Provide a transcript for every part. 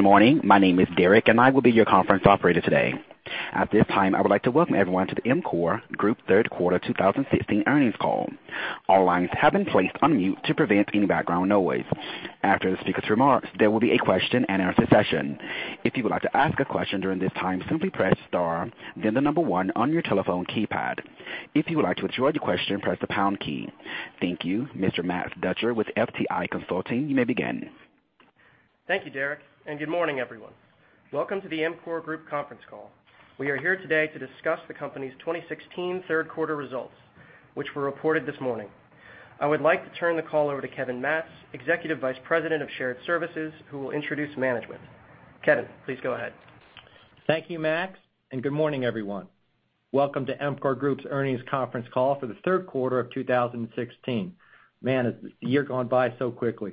Good morning. My name is Derek. I will be your conference operator today. At this time, I would like to welcome everyone to the EMCOR Group third quarter 2016 earnings call. All lines have been placed on mute to prevent any background noise. After the speaker's remarks, there will be a question and answer session. If you would like to ask a question during this time, simply press star, then 1 on your telephone keypad. If you would like to withdraw your question, press the pound key. Thank you, Mr. Matt Dutcher with FTI Consulting, you may begin. Thank you, Derek. Good morning, everyone. Welcome to the EMCOR Group conference call. We are here today to discuss the company's 2016 third quarter results, which were reported this morning. I would like to turn the call over to Kevin Matz, Executive Vice President of Shared Services, who will introduce management. Kevin, please go ahead. Thank you, Matt. Good morning, everyone. Welcome to EMCOR Group's earnings conference call for the third quarter of 2016. Man, has the year gone by so quickly.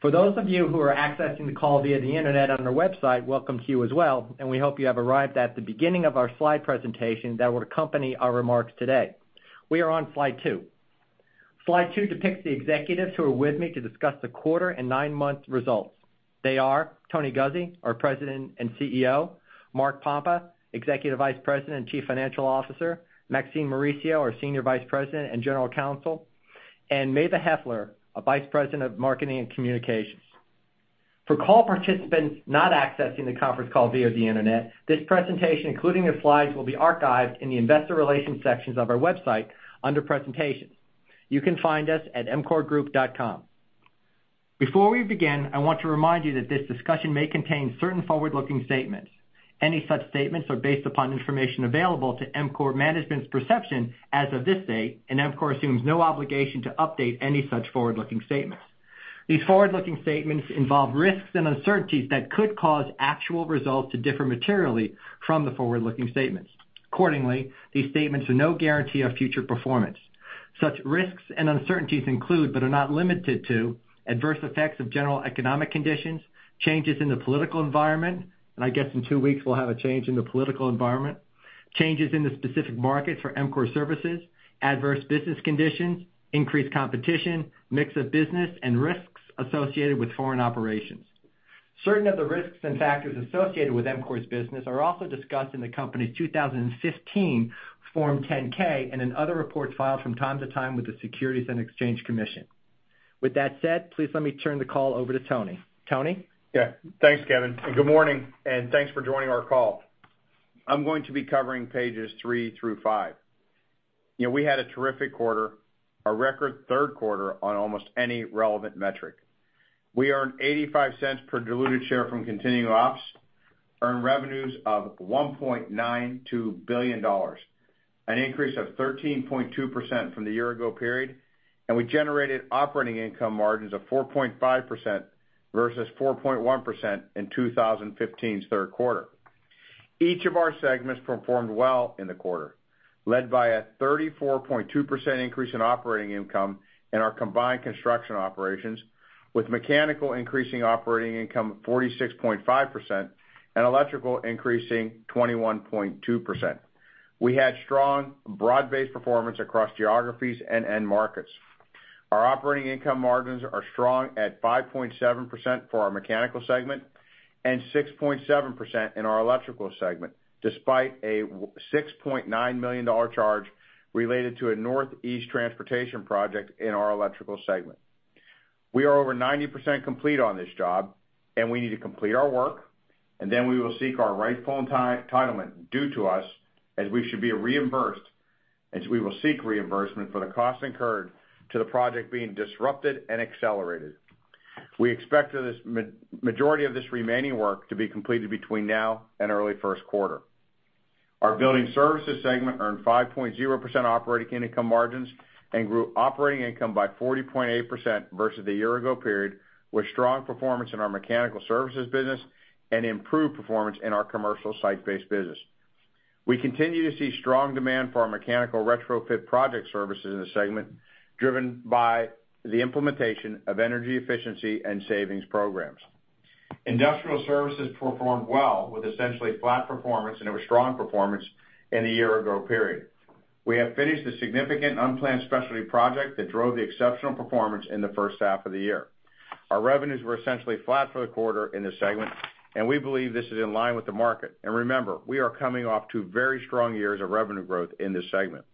For those of you who are accessing the call via the internet on our website, welcome to you as well. We hope you have arrived at the beginning of our slide presentation that will accompany our remarks today. We are on slide two. Slide two depicts the executives who are with me to discuss the quarter and nine-month results. They are Tony Guzzi, our President and CEO, Mark Pompa, Executive Vice President and Chief Financial Officer, Maxine Mauricio, our Senior Vice President and General Counsel, and Maeva Heffler, our Vice President of Marketing and Communications. For call participants not accessing the conference call via the internet, this presentation, including the slides, will be archived in the investor relations sections of our website under presentations. You can find us at emcorgroup.com. Before we begin, I want to remind you that this discussion may contain certain forward-looking statements. Any such statements are based upon information available to EMCOR management's perception as of this date. EMCOR assumes no obligation to update any such forward-looking statements. These forward-looking statements involve risks and uncertainties that could cause actual results to differ materially from the forward-looking statements. Accordingly, these statements are no guarantee of future performance. Such risks and uncertainties include, but are not limited to adverse effects of general economic conditions, changes in the political environment, I guess in two weeks we'll have a change in the political environment, changes in the specific markets for EMCOR services, adverse business conditions, increased competition, mix of business, and risks associated with foreign operations. Certain of the risks and factors associated with EMCOR's business are also discussed in the company's 2015 Form 10-K and in other reports filed from time to time with the Securities and Exchange Commission. With that said, please let me turn the call over to Tony. Tony? Yeah. Thanks, Kevin, good morning, and thanks for joining our call. I'm going to be covering pages three through five. We had a terrific quarter, a record third quarter on almost any relevant metric. We earned $0.85 per diluted share from continuing ops, earned revenues of $1.92 billion, an increase of 13.2% from the year ago period, and we generated operating income margins of 4.5% versus 4.1% in 2015's third quarter. Each of our segments performed well in the quarter, led by a 34.2% increase in operating income in our combined construction operations, with mechanical increasing operating income 46.5% and electrical increasing 21.2%. We had strong, broad-based performance across geographies and end markets. Our operating income margins are strong at 5.7% for our mechanical segment and 6.7% in our electrical segment, despite a $6.9 million charge related to a Northeast transportation project in our electrical segment. We are over 90% complete on this job, we need to complete our work, then we will seek our rightful entitlement due to us as we should be reimbursed, and we will seek reimbursement for the costs incurred to the project being disrupted and accelerated. We expect the majority of this remaining work to be completed between now and early first quarter. Our building services segment earned 5.0% operating income margins and grew operating income by 40.8% versus the year ago period, with strong performance in our mechanical services business and improved performance in our commercial site-based business. We continue to see strong demand for our mechanical retrofit project services in this segment, driven by the implementation of energy efficiency and savings programs. Industrial services performed well with essentially flat performance, it was strong performance in the year ago period. We have finished a significant unplanned specialty project that drove the exceptional performance in the first half of the year. Our revenues were essentially flat for the quarter in this segment, we believe this is in line with the market. Remember, we are coming off two very strong years of revenue growth in this segment.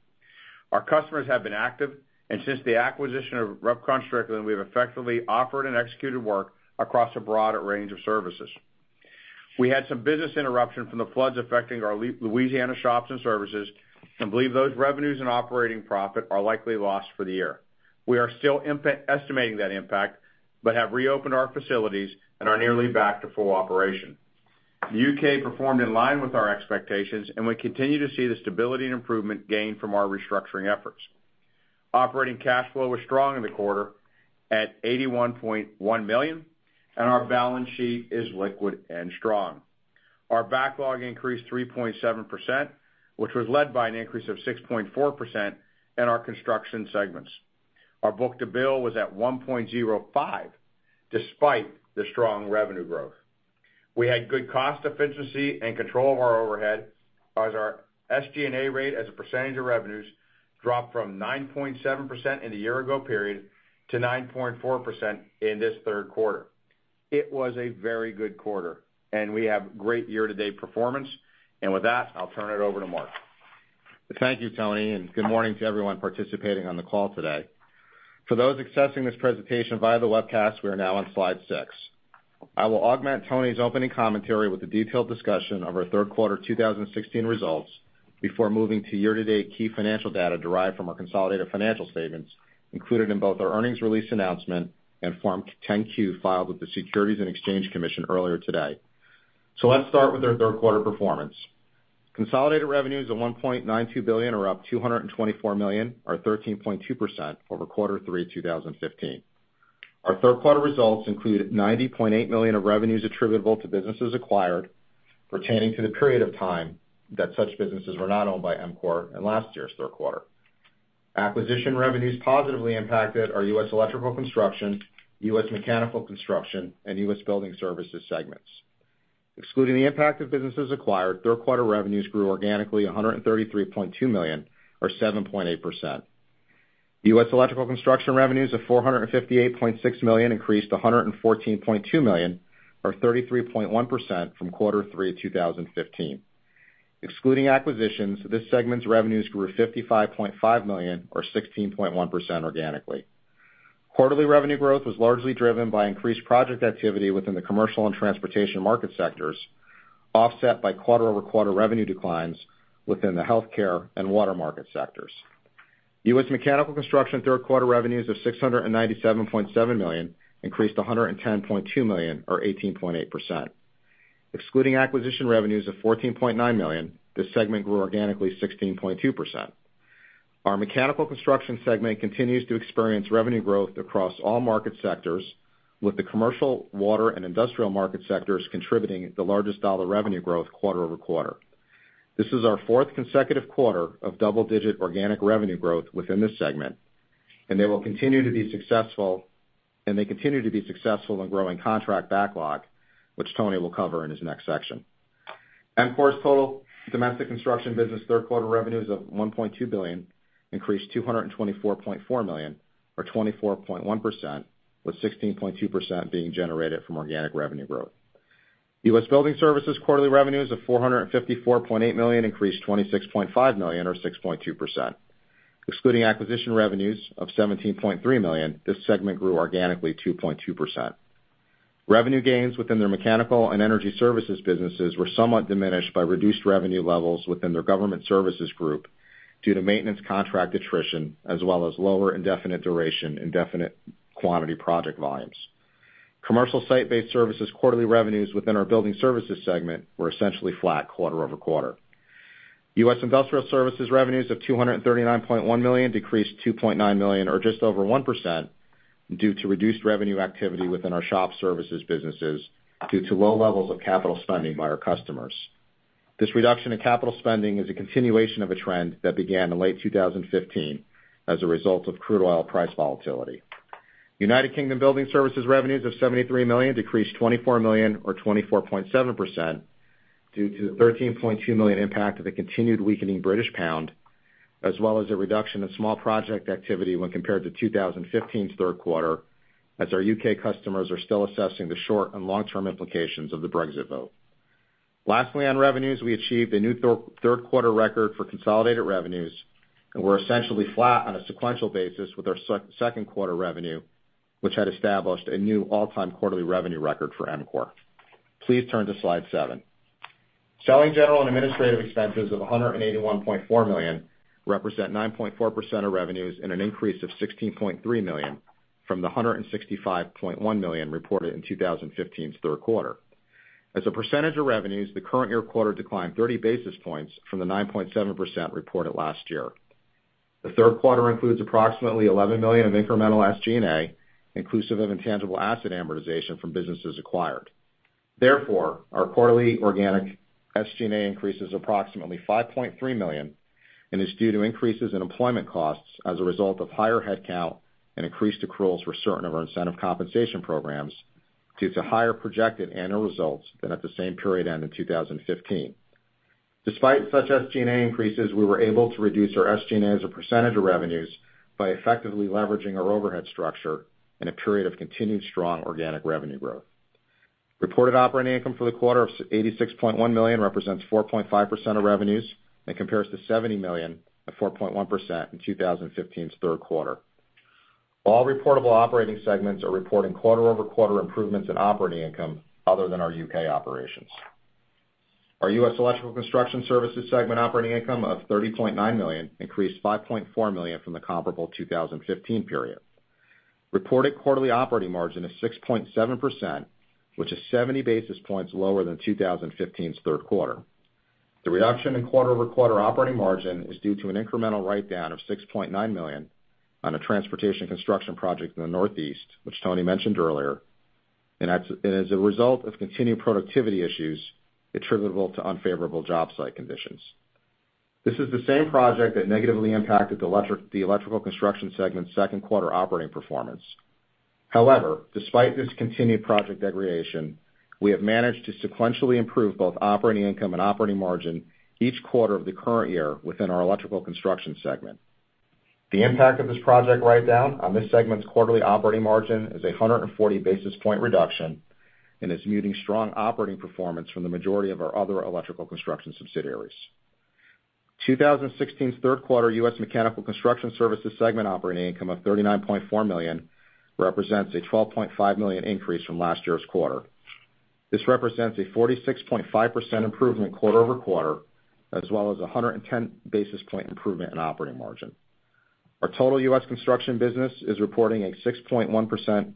Our customers have been active, and since the acquisition of Ruff Construction, we have effectively offered and executed work across a broad range of services. We had some business interruption from the floods affecting our Louisiana shops and services and believe those revenues and operating profit are likely lost for the year. We are still estimating that impact but have reopened our facilities and are nearly back to full operation. The U.K. performed in line with our expectations, we continue to see the stability and improvement gained from our restructuring efforts. Operating cash flow was strong in the quarter at $81.1 million, and our balance sheet is liquid and strong. Our backlog increased 3.7%, which was led by an increase of 6.4% in our construction segments. Our book-to-bill was at 1.05, despite the strong revenue growth. We had good cost efficiency and control of our overhead. As our SG&A rate as a percentage of revenues dropped from 9.7% in the year ago period to 9.4% in this third quarter. It was a very good quarter, and we have great year-to-date performance. With that, I'll turn it over to Mark. Thank you, Tony, and good morning to everyone participating on the call today. For those accessing this presentation via the webcast, we are now on slide six. I will augment Tony's opening commentary with a detailed discussion of our third quarter 2016 results before moving to year-to-date key financial data derived from our consolidated financial statements included in both our earnings release announcement and Form 10-Q filed with the Securities and Exchange Commission earlier today. Let's start with our third quarter performance. Consolidated revenues of $1.92 billion are up $224 million, or 13.2% over quarter three 2015. Our third quarter results include $90.8 million of revenues attributable to businesses acquired pertaining to the period of time that such businesses were not owned by EMCOR in last year's third quarter. Acquisition revenues positively impacted our U.S. Electrical Construction, U.S. Mechanical Construction, and U.S. Building Services segments. Excluding the impact of businesses acquired, third quarter revenues grew organically $133.2 million, or 7.8%. U.S. Electrical Construction revenues of $458.6 million increased to $114.2 million, or 33.1% from quarter three 2015. Excluding acquisitions, this segment's revenues grew to $55.5 million or 16.1% organically. Quarterly revenue growth was largely driven by increased project activity within the commercial and transportation market sectors, offset by quarter-over-quarter revenue declines within the healthcare and water market sectors. U.S. Mechanical Construction third quarter revenues of $697.7 million increased to $110.2 million or 18.8%. Excluding acquisition revenues of $14.9 million, this segment grew organically 16.2%. Our Mechanical Construction segment continues to experience revenue growth across all market sectors, with the commercial, water, and industrial market sectors contributing the largest dollar revenue growth quarter-over-quarter. This is our fourth consecutive quarter of double-digit organic revenue growth within this segment, and they continue to be successful in growing contract backlog, which Tony will cover in his next section. EMCOR's total domestic construction business third quarter revenues of $1.2 billion increased $224.4 million or 24.1%, with 16.2% being generated from organic revenue growth. U.S. Building Services quarterly revenues of $454.8 million increased $26.5 million or 6.2%. Excluding acquisition revenues of $17.3 million, this segment grew organically 2.2%. Revenue gains within their mechanical and energy services businesses were somewhat diminished by reduced revenue levels within their government services group due to maintenance contract attrition as well as lower indefinite duration, indefinite quantity project volumes. Commercial site-based services quarterly revenues within our Building Services segment were essentially flat quarter-over-quarter. United States industrial services revenues of $239.1 million decreased $2.9 million or just over 1% due to reduced revenue activity within our shop services businesses due to low levels of capital spending by our customers. This reduction in capital spending is a continuation of a trend that began in late 2015 as a result of crude oil price volatility. United Kingdom building services revenues of $73 million decreased $24 million or 24.7% due to the $13.2 million impact of the continued weakening British pound, as well as a reduction in small project activity when compared to 2015's third quarter as our U.K. customers are still assessing the short and long-term implications of the Brexit vote. Lastly, on revenues, we achieved a new third-quarter record for consolidated revenues and were essentially flat on a sequential basis with our second quarter revenue, which had established a new all-time quarterly revenue record for EMCOR. Please turn to slide seven. Selling general and administrative expenses of $181.4 million represent 9.4% of revenues and an increase of $16.3 million from the $165.1 million reported in 2015's third quarter. As a percentage of revenues, the current year quarter declined 30 basis points from the 9.7% reported last year. The third quarter includes approximately $11 million of incremental SG&A, inclusive of intangible asset amortization from businesses acquired. Therefore, our quarterly organic SG&A increase is approximately $5.3 million and is due to increases in employment costs as a result of higher headcount and increased accruals for certain of our incentive compensation programs due to higher projected annual results than at the same period end in 2015. Despite such SG&A increases, we were able to reduce our SG&A as a percentage of revenues by effectively leveraging our overhead structure in a period of continued strong organic revenue growth. Reported operating income for the quarter of $86.1 million represents 4.5% of revenues and compares to $70 million at 4.1% in 2015's third quarter. All reportable operating segments are reporting quarter-over-quarter improvements in operating income, other than our U.K. operations. Our U.S. Electrical Construction Services segment operating income of $30.9 million increased $5.4 million from the comparable 2015 period. Reported quarterly operating margin is 6.7%, which is 70 basis points lower than 2015's third quarter. The reduction in quarter-over-quarter operating margin is due to an incremental writedown of $6.9 million on a transportation construction project in the Northeast, which Tony mentioned earlier, and as a result of continued productivity issues attributable to unfavorable job site conditions. This is the same project that negatively impacted the Electrical Construction segment's second quarter operating performance. Despite this continued project degradation, we have managed to sequentially improve both operating income and operating margin each quarter of the current year within our Electrical Construction segment. The impact of this project write-down on this segment's quarterly operating margin is a 140-basis-point reduction and is muting strong operating performance from the majority of our other Electrical Construction subsidiaries. 2016's third quarter U.S. Mechanical Construction Services segment operating income of $39.4 million represents a $12.5 million increase from last year's quarter. This represents a 46.5% improvement quarter-over-quarter, as well as a 110-basis-point improvement in operating margin. Our total U.S. construction business is reporting a 6.1%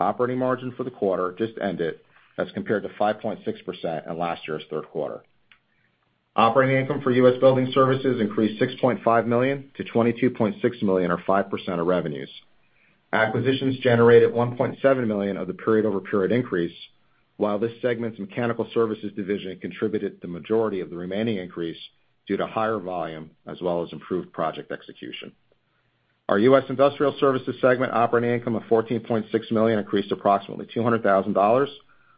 operating margin for the quarter just ended, as compared to 5.6% in last year's third quarter. Operating income for U.S. Building Services increased $6.5 million to $22.6 million, or 5% of revenues. Acquisitions generated $1.7 million of the period-over-period increase, while this segment's Mechanical Services division contributed the majority of the remaining increase due to higher volume as well as improved project execution. Our U.S. Industrial Services segment operating income of $14.6 million increased approximately $200,000,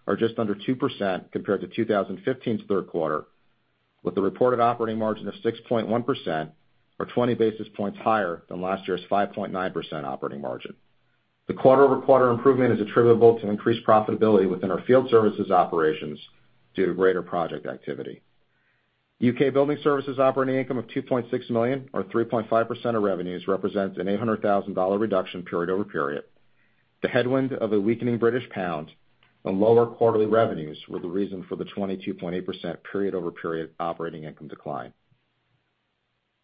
or just under 2%, compared to 2015's third quarter, with a reported operating margin of 6.1%, or 20 basis points higher than last year's 5.9% operating margin. The quarter-over-quarter improvement is attributable to increased profitability within our field services operations due to greater project activity. U.K. Building Services operating income of $2.6 million, or 3.5% of revenues, represents an $800,000 reduction period over period. The headwind of a weakening British pound and lower quarterly revenues were the reason for the 22.8% period-over-period operating income decline.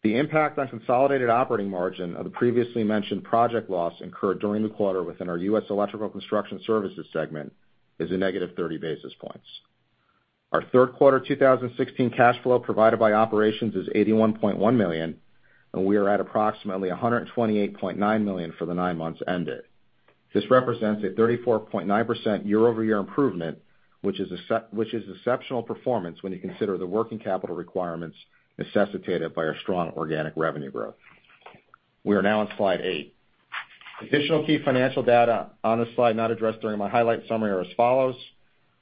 The impact on consolidated operating margin of the previously mentioned project loss incurred during the quarter within our U.S. Electrical Construction Services segment is a negative 30 basis points. Our third quarter 2016 cash flow provided by operations is $81.1 million. We are at approximately $128.9 million for the nine months ended. This represents a 34.9% year-over-year improvement, which is exceptional performance when you consider the working capital requirements necessitated by our strong organic revenue growth. We are now on slide eight. Additional key financial data on this slide not addressed during my highlight summary are as follows.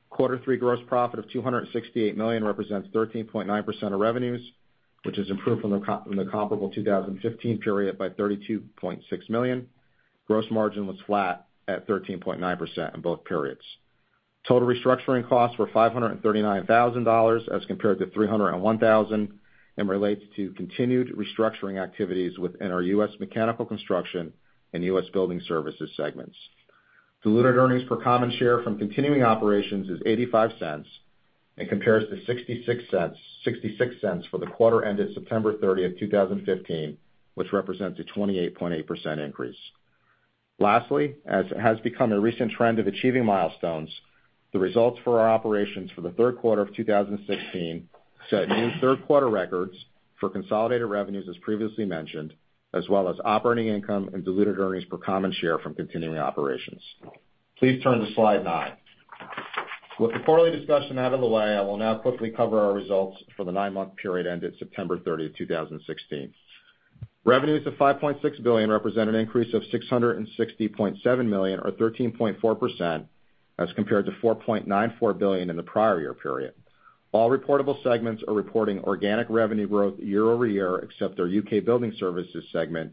Quarter three gross profit of $268 million represents 13.9% of revenues, which has improved from the comparable 2015 period by $32.6 million. Gross margin was flat at 13.9% in both periods. Total restructuring costs were $539,000 as compared to $301,000, and relates to continued restructuring activities within our U.S. Mechanical Construction and U.S. Building Services segments. Diluted earnings per common share from continuing operations is $0.85 and compares to $0.66 for the quarter ended September 30th, 2015, which represents a 28.8% increase. Lastly, as has become a recent trend of achieving milestones, the results for our operations for the third quarter of 2016 set new third quarter records for consolidated revenues, as previously mentioned, as well as operating income and diluted earnings per common share from continuing operations. Please turn to slide nine. With the quarterly discussion out of the way, I will now quickly cover our results for the nine-month period ended September 30th, 2016. Revenues of $5.6 billion represent an increase of $660.7 million, or 13.4%, as compared to $4.94 billion in the prior year period. All reportable segments are reporting organic revenue growth year-over-year, except our U.K. Building Services segment,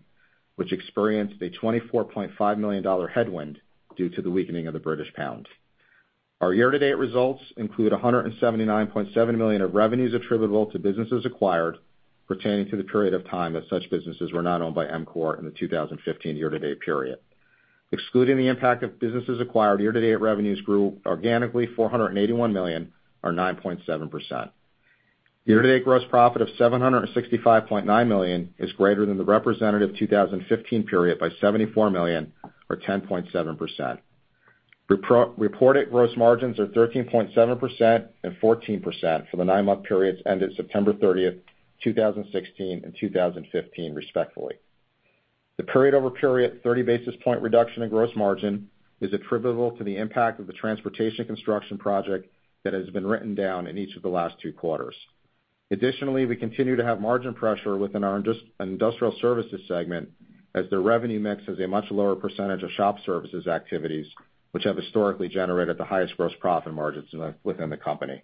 which experienced a $24.5 million headwind due to the weakening of the British pound. Our year-to-date results include $179.7 million of revenues attributable to businesses acquired pertaining to the period of time that such businesses were not owned by EMCOR in the 2015 year-to-date period. Excluding the impact of businesses acquired, year-to-date revenues grew organically $481 million, or 9.7%. Year-to-date gross profit of $765.9 million is greater than the representative 2015 period by $74 million, or 10.7%. Reported gross margins are 13.7% and 14% for the nine-month periods ended September 30th, 2016 and 2015, respectively. The period-over-period 30-basis-point reduction in gross margin is attributable to the impact of the transportation construction project that has been written down in each of the last two quarters. Additionally, we continue to have margin pressure within our Industrial Services segment as their revenue mix has a much lower percentage of shop services activities, which have historically generated the highest gross profit margins within the company.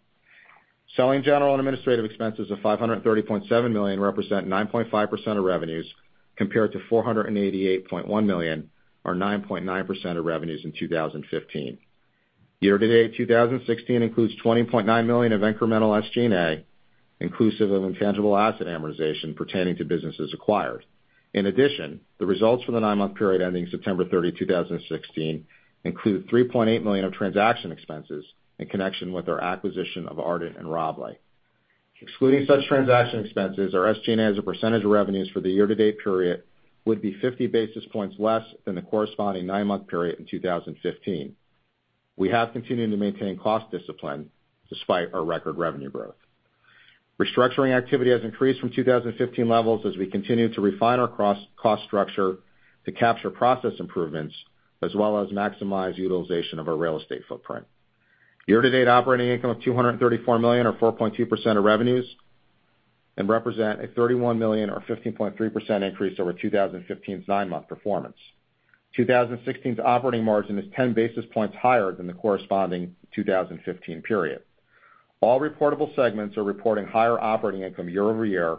Selling, general, and administrative expenses of $530.7 million represent 9.5% of revenues, compared to $488.1 million, or 9.9% of revenues, in 2015. Year-to-date 2016 includes $20.9 million of incremental SG&A, inclusive of intangible asset amortization pertaining to businesses acquired. In addition, the results for the nine-month period ending September 30, 2016 include $3.8 million of transaction expenses in connection with our acquisition of Ardent and Rabalais. Excluding such transaction expenses, our SG&A as a percentage of revenues for the year-to-date period would be 50 basis points less than the corresponding nine-month period in 2015. We have continued to maintain cost discipline despite our record revenue growth. Restructuring activity has increased from 2015 levels as we continue to refine our cost structure to capture process improvements, as well as maximize utilization of our real estate footprint. Year-to-date operating income of $234 million, or 4.2% of revenues, and represent a $31 million or 15.3% increase over 2015's nine-month performance. 2016's operating margin is 10 basis points higher than the corresponding 2015 period. All reportable segments are reporting higher operating income year-over-year,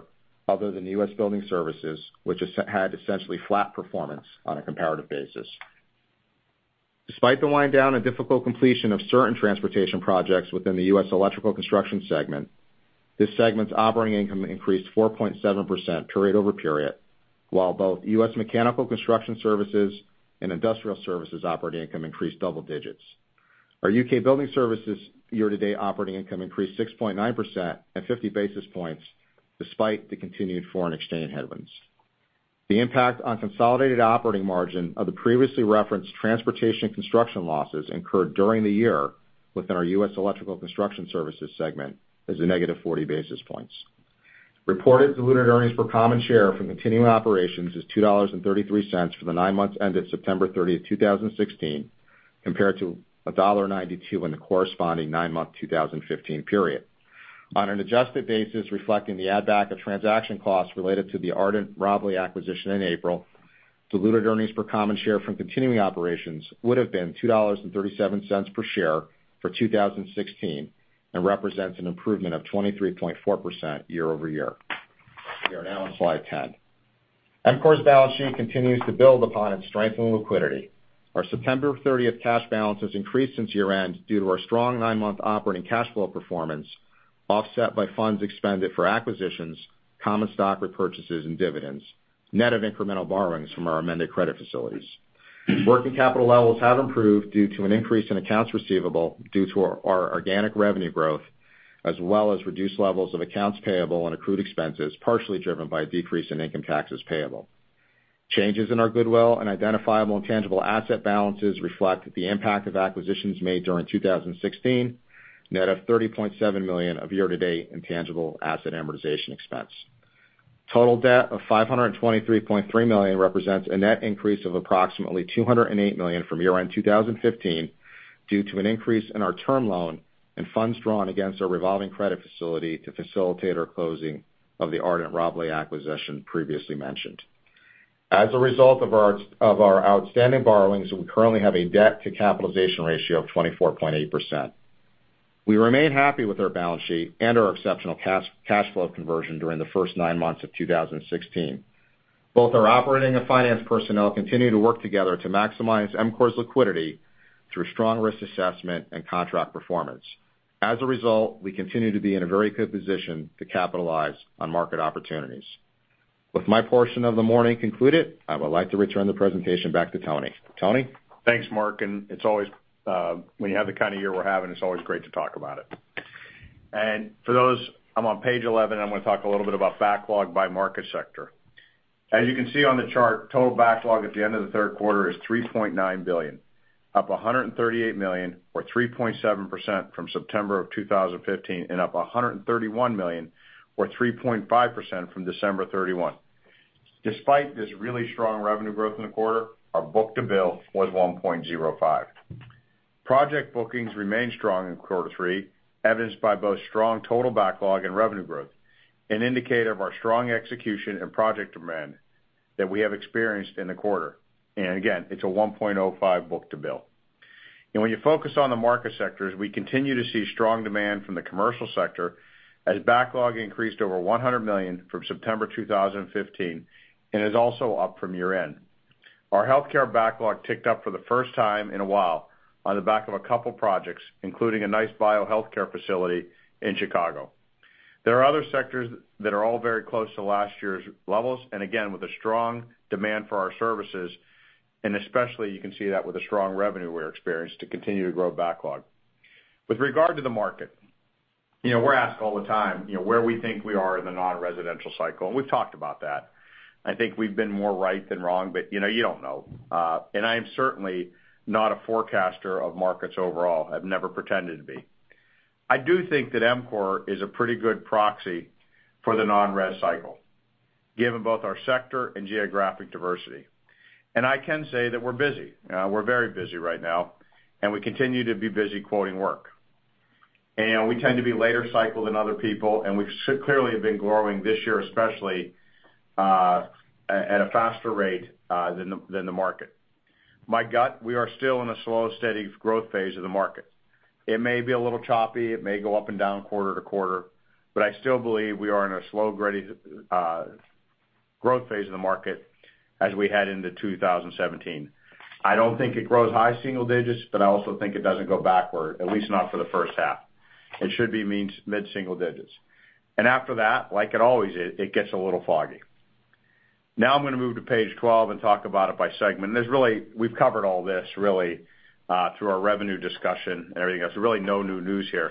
other than U.S. Building Services, which has had essentially flat performance on a comparative basis. Despite the wind-down and difficult completion of certain transportation projects within the U.S. Electrical Construction segment, this segment's operating income increased 4.7% period over period, while both U.S. Mechanical Construction Services and Industrial Services operating income increased double digits. Our U.K. Building Services year-to-date operating income increased 6.9% at 50 basis points despite the continued foreign exchange headwinds. The impact on consolidated operating margin of the previously referenced transportation construction losses incurred during the year within our U.S. Electrical Construction Services segment is a negative 40 basis points. Reported diluted earnings per common share from continuing operations is $2.33 for the nine months ended September 30, 2016, compared to $1.92 in the corresponding nine-month 2015 period. On an adjusted basis, reflecting the add-back of transaction costs related to the Ardent Rabalais acquisition in April, diluted earnings per common share from continuing operations would've been $2.37 per share for 2016 and represents an improvement of 23.4% year-over-year. We are now on slide 10. EMCOR's balance sheet continues to build upon its strength and liquidity. Our September 30th cash balance has increased since year-end due to our strong nine-month operating cash flow performance, offset by funds expended for acquisitions, common stock repurchases, and dividends, net of incremental borrowings from our amended credit facilities. Working capital levels have improved due to an increase in accounts receivable due to our organic revenue growth, as well as reduced levels of accounts payable and accrued expenses, partially driven by a decrease in income taxes payable. Changes in our goodwill and identifiable intangible asset balances reflect the impact of acquisitions made during 2016, net of $30.7 million of year-to-date intangible asset amortization expense. Total debt of $523.3 million represents a net increase of approximately $208 million from year-end 2015 due to an increase in our term loan and funds drawn against our revolving credit facility to facilitate our closing of the Ardent Rabalais acquisition previously mentioned. As a result of our outstanding borrowings, we currently have a debt-to-capitalization ratio of 24.8%. We remain happy with our balance sheet and our exceptional cash flow conversion during the first nine months of 2016. Both our operating and finance personnel continue to work together to maximize EMCOR's liquidity through strong risk assessment and contract performance. As a result, we continue to be in a very good position to capitalize on market opportunities. With my portion of the morning concluded, I would like to return the presentation back to Tony. Tony? Thanks, Mark. When you have the kind of year we're having, it's always great to talk about it. For those, I'm on page 11, I'm going to talk a little bit about backlog by market sector. As you can see on the chart, total backlog at the end of the third quarter is $3.9 billion, up $138 million, or 3.7% from September of 2015, and up $131 million or 3.5% from December 31. Despite this really strong revenue growth in the quarter, our book-to-bill was 1.05. Project bookings remained strong in quarter three, evidenced by both strong total backlog and revenue growth, an indicator of our strong execution and project demand that we have experienced in the quarter. Again, it's a 1.05 book-to-bill. When you focus on the market sectors, we continue to see strong demand from the commercial sector as backlog increased over $100 million from September 2015 and is also up from year-end. Our healthcare backlog ticked up for the first time in a while on the back of a couple projects, including a nice bio healthcare facility in Chicago. There are other sectors that are all very close to last year's levels, again, with a strong demand for our services, especially you can see that with the strong revenue we experienced to continue to grow backlog. With regard to the market, we're asked all the time where we think we are in the non-residential cycle, we've talked about that. I think we've been more right than wrong, but you don't know. I am certainly not a forecaster of markets overall. I've never pretended to be. I do think that EMCOR is a pretty good proxy for the non-res cycle, given both our sector and geographic diversity. I can say that we're busy. We're very busy right now, we continue to be busy quoting work. We tend to be later cycle than other people, we clearly have been growing this year, especially, at a faster rate than the market. My gut, we are still in a slow, steady growth phase of the market. It may be a little choppy, it may go up and down quarter to quarter, but I still believe we are in a slow growth phase of the market as we head into 2017. I don't think it grows high single digits, but I also think it doesn't go backward, at least not for the first half. It should be mid-single digits. After that, like it always is, it gets a little foggy. I'm going to move to page 12 and talk about it by segment. We've covered all this really through our revenue discussion and everything else. There's really no new news here,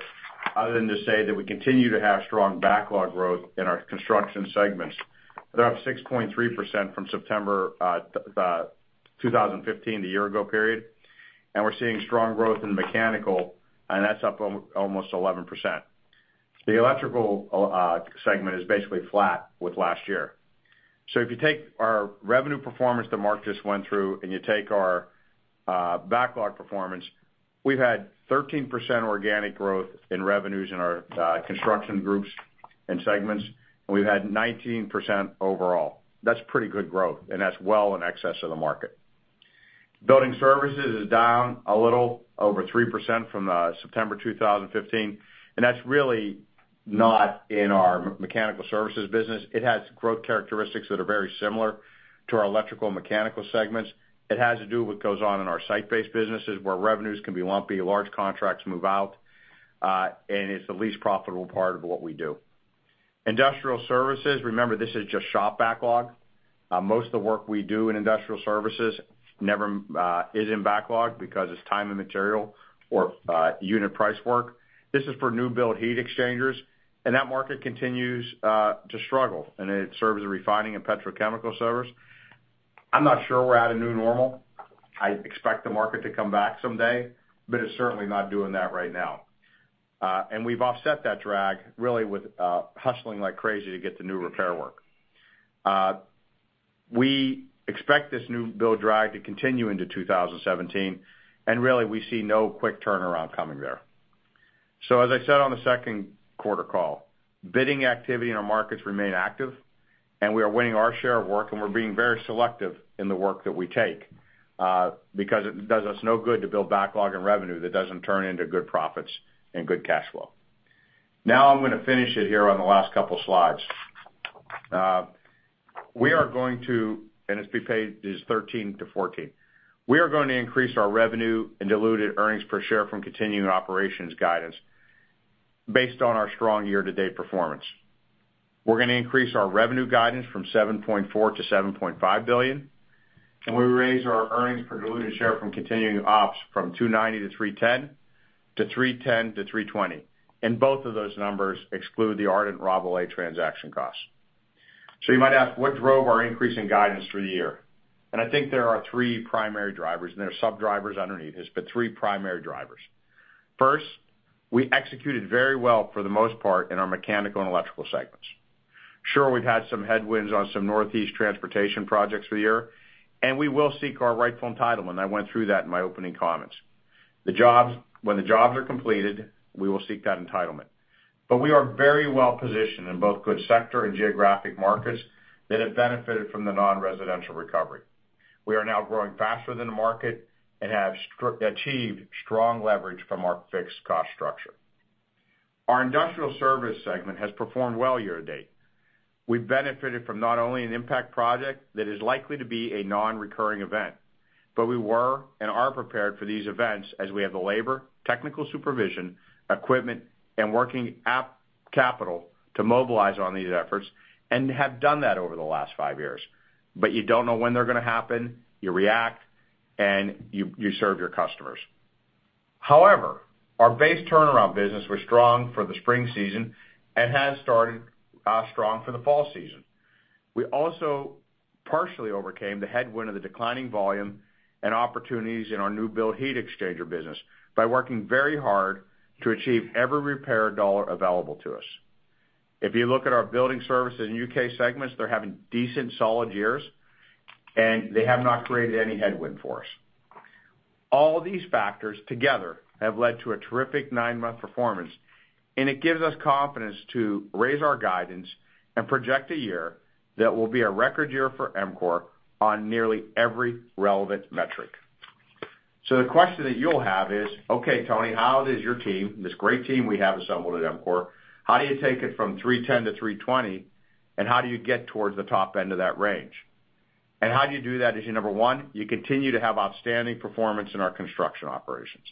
other than to say that we continue to have strong backlog growth in our construction segments. They're up 6.3% from September 2015, the year ago period, and we're seeing strong growth in mechanical, and that's up almost 11%. The electrical segment is basically flat with last year. If you take our revenue performance that Mark just went through, and you take our backlog performance, we've had 13% organic growth in revenues in our construction groups and segments, and we've had 19% overall. That's pretty good growth, and that's well in excess of the market. Building services is down a little, over 3% from September 2015, and that's really not in our mechanical services business. It has growth characteristics that are very similar to our electrical and mechanical segments. It has to do what goes on in our site-based businesses, where revenues can be lumpy, large contracts move out, and it's the least profitable part of what we do. Industrial services, remember, this is just shop backlog. Most of the work we do in industrial services is in backlog because it's time and material or unit price work. This is for new build heat exchangers, and that market continues to struggle, and it serves the refining and petrochemical service. I'm not sure we're at a new normal. I expect the market to come back someday, but it's certainly not doing that right now. We've offset that drag really with hustling like crazy to get the new repair work. We expect this new build drag to continue into 2017, really, we see no quick turnaround coming there. As I said on the second quarter call, bidding activity in our markets remain active, and we are winning our share of work, and we're being very selective in the work that we take, because it does us no good to build backlog and revenue that doesn't turn into good profits and good cash flow. I'm going to finish it here on the last couple slides. It's pages 13 to 14. We are going to increase our revenue and diluted earnings per share from continuing operations guidance based on our strong year-to-date performance. We're going to increase our revenue guidance from $7.4 billion-$7.5 billion, we raise our earnings per diluted share from continuing ops from $2.90-$3.10 to $3.10-$3.20. Both of those numbers exclude the Ardent Rabalais transaction costs. You might ask, what drove our increase in guidance through the year? I think there are three primary drivers, and there are sub-drivers underneath this, but three primary drivers. First, we executed very well for the most part in our mechanical and electrical segments. Sure, we've had some headwinds on some Northeast transportation projects for the year, and we will seek our rightful entitlement. I went through that in my opening comments. When the jobs are completed, we will seek that entitlement. We are very well positioned in both good sector and geographic markets that have benefited from the non-residential recovery. We are now growing faster than the market and have achieved strong leverage from our fixed cost structure. Our Industrial Services segment has performed well year to date. We benefited from not only an impact project that is likely to be a non-recurring event, but we were and are prepared for these events as we have the labor, technical supervision, equipment, and working capital to mobilize on these efforts and have done that over the last five years. But you do not know when they are going to happen, you react, and you serve your customers. However, our base turnaround business was strong for the spring season and has started strong for the fall season. We also partially overcame the headwind of the declining volume and opportunities in our new build heat exchanger business by working very hard to achieve every repair dollar available to us. If you look at our Building Services and U.K. segments, they are having decent, solid years, and they have not created any headwind for us. All these factors together have led to a terrific nine-month performance, and it gives us confidence to raise our guidance and project a year that will be a record year for EMCOR on nearly every relevant metric. The question that you will have is, "Okay, Tony, how does your team, this great team we have assembled at EMCOR, how do you take it from $310 to $320, and how do you get towards the top end of that range? How do you do that?" Issue number 1, you continue to have outstanding performance in our construction operations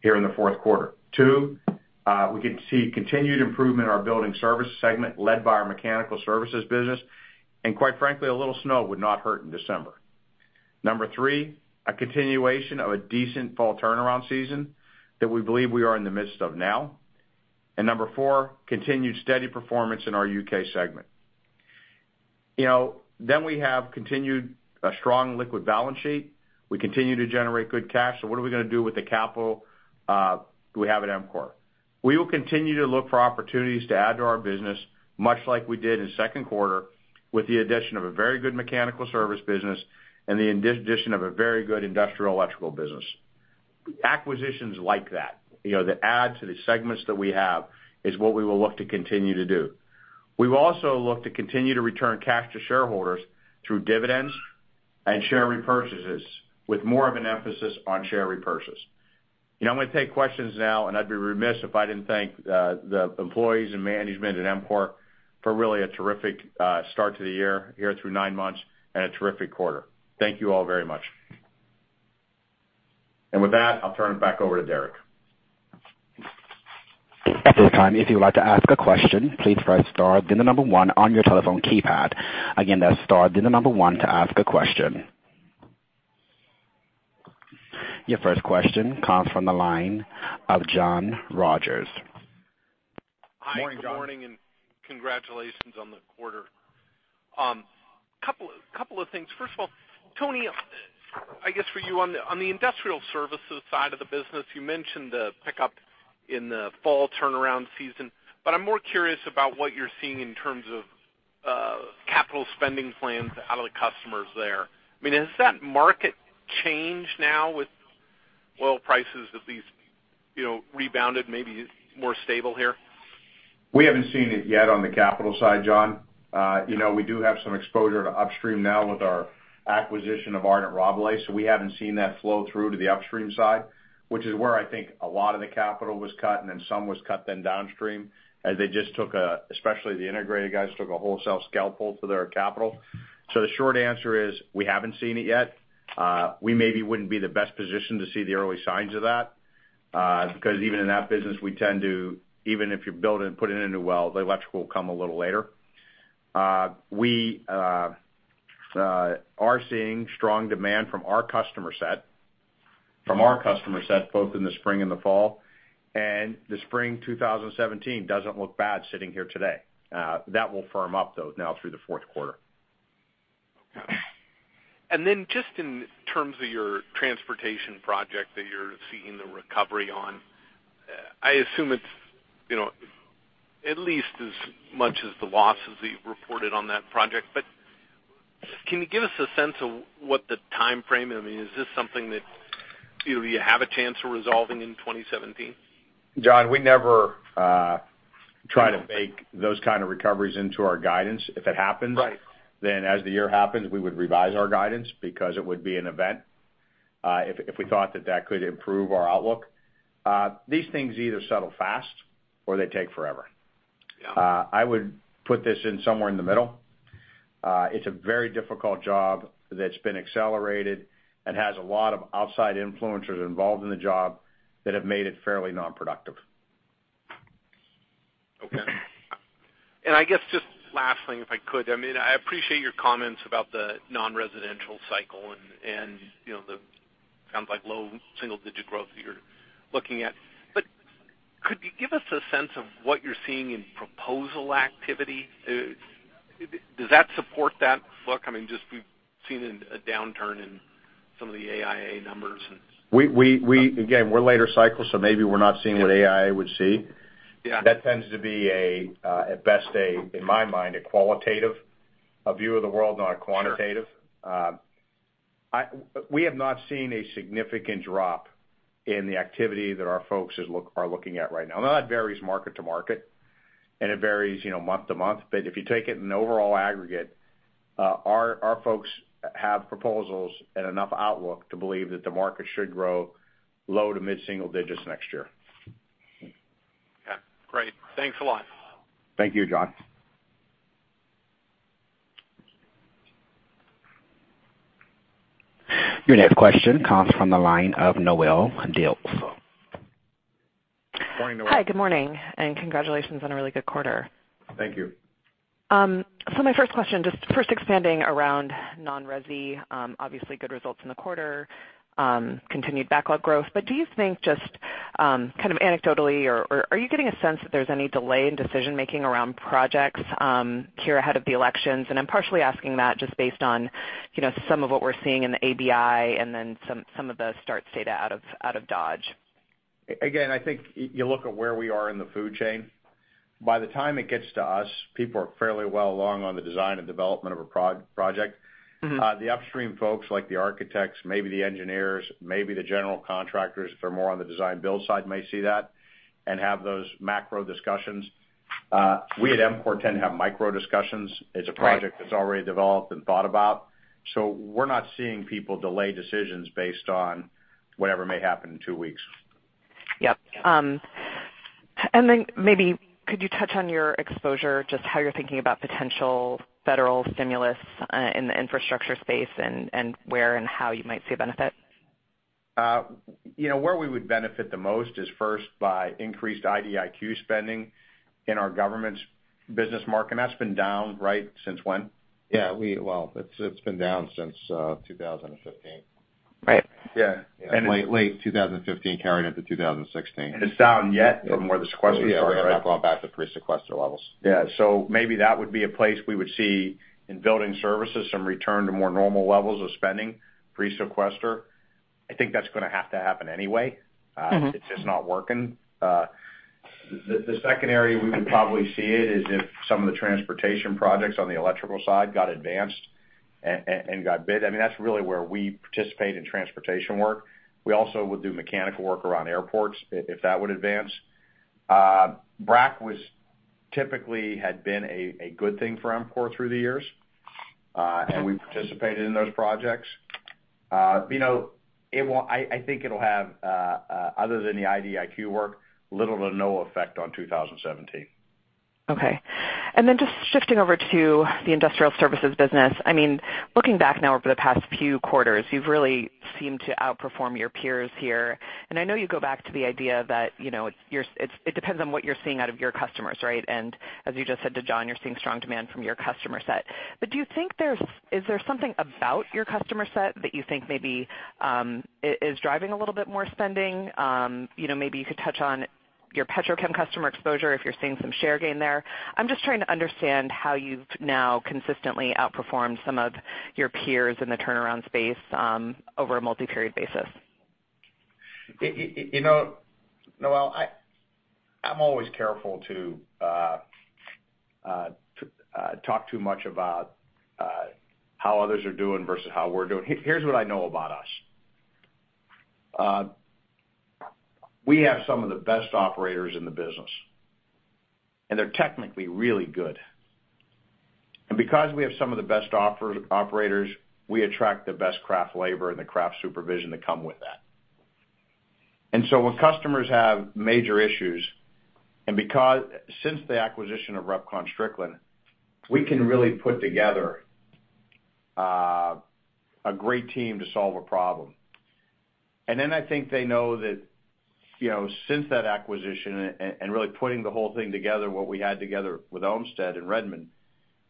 here in the fourth quarter. 2, we can see continued improvement in our Building Services segment led by our Mechanical Services business, and quite frankly, a little snow would not hurt in December. Number 3, a continuation of a decent fall turnaround season that we believe we are in the midst of now. Number 4, continued steady performance in our U.K. segment. We have continued a strong liquid balance sheet. We continue to generate good cash. What are we going to do with the capital we have at EMCOR? We will continue to look for opportunities to add to our business, much like we did in the second quarter with the addition of a very good Mechanical Services business and the addition of a very good Industrial Electrical business. Acquisitions like that add to the segments that we have, is what we will look to continue to do. We will also look to continue to return cash to shareholders through dividends and share repurchases with more of an emphasis on share repurchase. I am going to take questions now, and I would be remiss if I did not thank the employees and management at EMCOR for really a terrific start to the year here through nine months and a terrific quarter. Thank you all very much. With that, I will turn it back over to Derek. At this time, if you would like to ask a question, please press star then the number one on your telephone keypad. Again, that's star then the number one to ask a question. Your first question comes from the line of John Rogers. Morning, John. Hi, good morning. Congratulations on the quarter. Couple of things. First of all, Tony, I guess for you on the industrial services side of the business, you mentioned the pickup in the fall turnaround season, but I'm more curious about what you're seeing in terms of capital spending plans out of the customers there. Has that market changed now with oil prices at least rebounded, maybe more stable here? We haven't seen it yet on the capital side, John. We do have some exposure to upstream now with our acquisition of Ardent Rabalais. We haven't seen that flow through to the upstream side, which is where I think a lot of the capital was cut. Some was cut then downstream, as they just took, especially the integrated guys, took a wholesale scalpel to their capital. The short answer is we haven't seen it yet. We maybe wouldn't be the best position to see the early signs of that, because even in that business, even if you're building and putting in a new well, the electrical will come a little later. We are seeing strong demand from our customer set, both in the spring and the fall. The spring 2017 doesn't look bad sitting here today. That will firm up, though, now through the fourth quarter. Okay. Just in terms of your transportation project that you're seeing the recovery on, I assume it's at least as much as the losses that you've reported on that project, but can you give us a sense of what the timeframe is? Is this something that you have a chance of resolving in 2017? John, we never try to bake those kind of recoveries into our guidance. If it happens. Right As the year happens, we would revise our guidance because it would be an event, if we thought that that could improve our outlook. These things either settle fast or they take forever. Yeah. I would put this in somewhere in the middle. It's a very difficult job that's been accelerated and has a lot of outside influencers involved in the job that have made it fairly non-productive. Okay. I guess just last thing, if I could. I appreciate your comments about the non-residential cycle and the sounds like low single-digit growth that you're looking at. Could you give us a sense of what you're seeing in proposal activity? Does that support that look? We've seen a downturn in some of the AIA numbers. Again, we're later cycle, maybe we're not seeing what AIA would see. Yeah. That tends to be a, at best, in my mind, a qualitative view of the world, not a quantitative. Sure. We have not seen a significant drop in the activity that our folks are looking at right now. That varies market to market, and it varies month to month. If you take it in overall aggregate, our folks have proposals and enough outlook to believe that the market should grow low to mid single digits next year. Great. Thanks a lot. Thank you, John. Your next question comes from the line of Noelle Dilts. Morning, Noelle. Hi, good morning, congratulations on a really good quarter. Thank you. My first question, just first expanding around non-resi. Obviously good results in the quarter, continued backlog growth. Do you think just kind of anecdotally, or are you getting a sense that there's any delay in decision making around projects here ahead of the elections? I'm partially asking that just based on some of what we're seeing in the ABI and then some of the starts data out of Dodge. I think you look at where we are in the food chain. By the time it gets to us, people are fairly well along on the design and development of a project. The upstream folks like the architects, maybe the engineers, maybe the general contractors, if they're more on the design build side, may see that and have those macro discussions. We at EMCOR tend to have micro discussions. Right. It's a project that's already developed and thought about. We're not seeing people delay decisions based on whatever may happen in two weeks. Yep. Maybe could you touch on your exposure, just how you're thinking about potential federal stimulus in the infrastructure space and where and how you might see a benefit? Where we would benefit the most is first by increased IDIQ spending in our government's business market, that's been down, right, since when? Yeah. Well, it's been down since 2015. Right. Yeah. Late 2015, carrying into 2016. It's down yet from where the sequester started, right? We haven't gone back to pre-Sequester levels. Maybe that would be a place we would see in United States building services, some return to more normal levels of spending, pre-Sequester. I think that's going to have to happen anyway. It's just not working. The second area we would probably see it is if some of the transportation projects on the electrical side got advanced and got bid. That's really where we participate in transportation work. We also will do mechanical work around airports if that would advance. BRAC typically had been a good thing for EMCOR through the years, and we participated in those projects. I think it'll have, other than the IDIQ work, little to no effect on 2017. Okay. Just shifting over to the United States industrial services business. Looking back now over the past few quarters, you've really seemed to outperform your peers here. I know you go back to the idea that it depends on what you're seeing out of your customers, right? As you just said to John, you're seeing strong demand from your customer set. Is there something about your customer set that you think maybe is driving a little bit more spending? Maybe you could touch on your petrochem customer exposure if you're seeing some share gain there. I'm just trying to understand how you've now consistently outperformed some of your peers in the turnaround space over a multi-period basis. Noelle, I'm always careful to talk too much about how others are doing versus how we're doing. Here's what I know about us. We have some of the best operators in the business, and they're technically really good. Because we have some of the best operators, we attract the best craft labor and the craft supervision that come with that. When customers have major issues, since the acquisition of RepconStrickland, we can really put together a great team to solve a problem. I think they know that since that acquisition, and really putting the whole thing together, what we had together with Ohmstede and Redmond,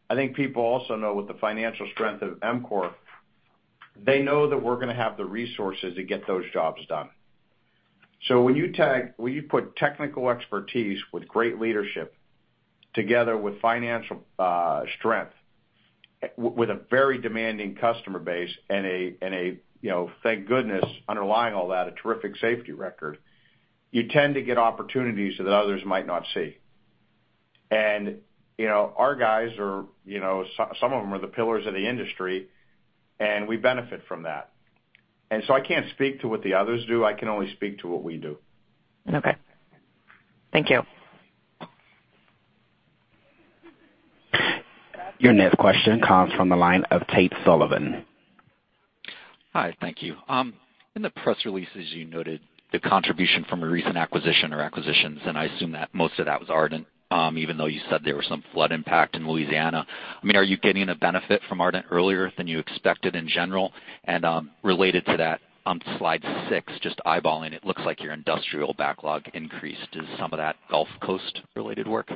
I think people also know with the financial strength of EMCOR, they know that we're going to have the resources to get those jobs done. When you put technical expertise with great leadership together with financial strength, with a very demanding customer base, and thank goodness, underlying all that, a terrific safety record, you tend to get opportunities that others might not see. Our guys are, some of them are the pillars of the industry, and we benefit from that. I can't speak to what the others do. I can only speak to what we do. Okay. Thank you. Your next question comes from the line of Tate Sullivan. Hi. Thank you. In the press releases, you noted the contribution from a recent acquisition or acquisitions, and I assume that most of that was Ardent, even though you said there was some flood impact in Louisiana. Are you getting a benefit from Ardent earlier than you expected in general? Related to that, on slide six, just eyeballing it, looks like your industrial backlog increased. Is some of that Gulf Coast related work?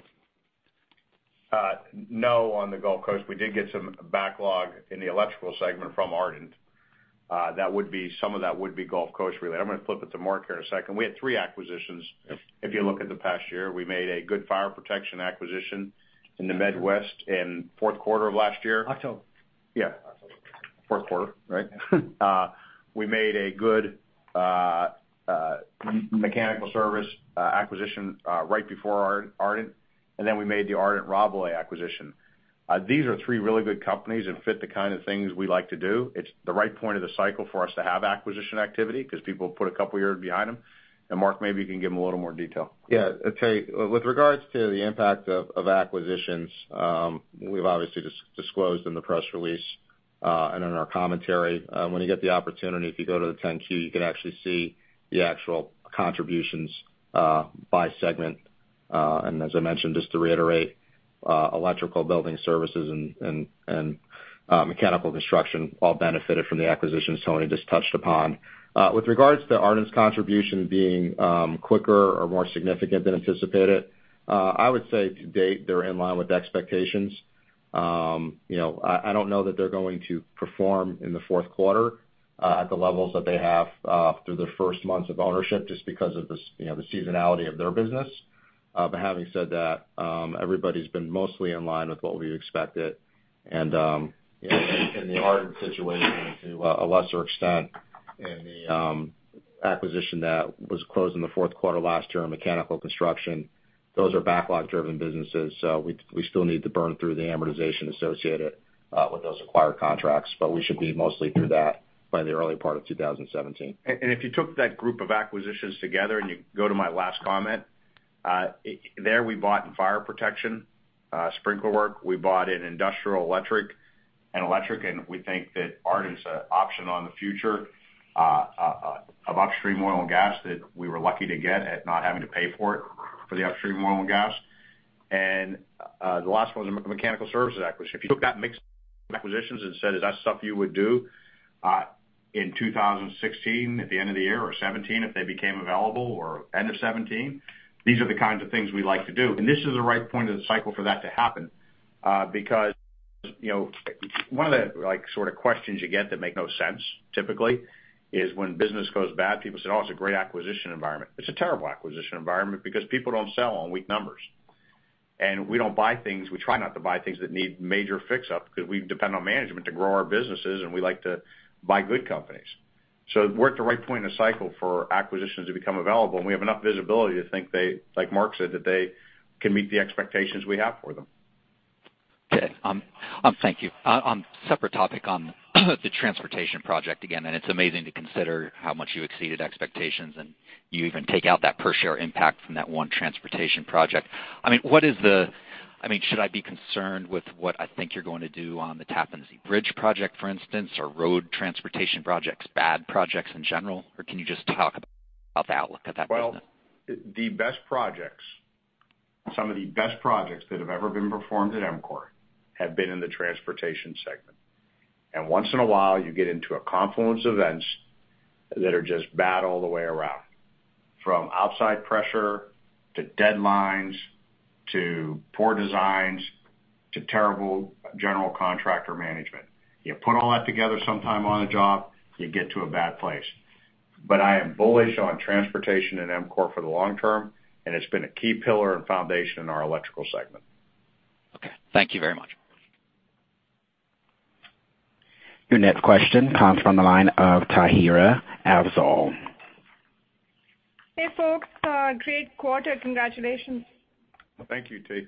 No, on the Gulf Coast. We did get some backlog in the electrical segment from Ardent. Some of that would be Gulf Coast related. I'm going to flip it to Mark here in a second. We had three acquisitions if you look at the past year. We made a good fire protection acquisition in the Midwest in fourth quarter of last year. October. Yeah. Fourth quarter, right? We made a good mechanical service acquisition right before Ardent, then we made the Ardent Rabalais acquisition. These are three really good companies that fit the kind of things we like to do. It's the right point of the cycle for us to have acquisition activity because people put a couple of years behind them. Mark, maybe you can give them a little more detail. Yeah. Tate, with regards to the impact of acquisitions, we've obviously disclosed in the press release, and in our commentary, when you get the opportunity, if you go to the Form 10-Q, you can actually see the actual contributions by segment. As I mentioned, just to reiterate, electrical building services and mechanical construction all benefited from the acquisitions Tony just touched upon. With regards to Ardent's contribution being quicker or more significant than anticipated, I would say to date, they're in line with expectations. I don't know that they're going to perform in the fourth quarter at the levels that they have through the first months of ownership, just because of the seasonality of their business. Having said that, everybody's been mostly in line with what we expected and in the Ardent situation, to a lesser extent in the acquisition that was closed in the fourth quarter last year in mechanical construction. Those are backlog driven businesses, so we still need to burn through the amortization associated with those acquired contracts. We should be mostly through that by the early part of 2017. If you took that group of acquisitions together, you go to my last comment, there we bought in fire protection, sprinkler work. We bought in industrial electric and electric, and we think that Ardent's an option on the future of upstream oil and gas that we were lucky to get at not having to pay for it for the upstream oil and gas. The last one was a mechanical services acquisition. If you took that mix of acquisitions and said, "Is that stuff you would do in 2016 at the end of the year or 2017, if they became available or end of 2017?" These are the kinds of things we like to do. This is the right point of the cycle for that to happen. One of the sort of questions you get that make no sense, typically, is when business goes bad, people say, "Oh, it's a great acquisition environment." It's a terrible acquisition environment because people don't sell on weak numbers. We don't buy things, we try not to buy things that need major fix-up because we depend on management to grow our businesses, and we like to buy good companies. We're at the right point in the cycle for acquisitions to become available, and we have enough visibility to think they, like Mark said, that they can meet the expectations we have for them. Okay. Thank you. On separate topic on the transportation project again, it's amazing to consider how much you exceeded expectations, you even take out that per share impact from that one transportation project. Should I be concerned with what I think you're going to do on the Tappan Zee Bridge project, for instance, or road transportation projects, bad projects in general? Can you just talk about the outlook of that business? Well, some of the best projects that have ever been performed at EMCOR have been in the transportation segment. Once in a while, you get into a confluence of events that are just bad all the way around, from outside pressure to deadlines, to poor designs, to terrible general contractor management. You put all that together sometime on a job, you get to a bad place. I am bullish on transportation at EMCOR for the long term, and it's been a key pillar and foundation in our electrical segment. Okay. Thank you very much. Your next question comes from the line of Tahira Afzal. Hey, folks. Great quarter. Congratulations. Thank you, T.